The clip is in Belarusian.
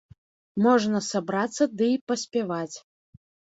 Можна сабрацца ды і паспяваць.